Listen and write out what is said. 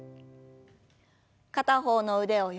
片方の腕を横に。